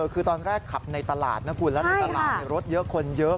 คือตอนแรกขับในตลาดนะคุณแล้วในตลาดรถเยอะคนเยอะ